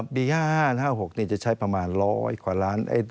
ปี๕๕๖จะใช้ประมาณ๑๐๐กว่าล้าน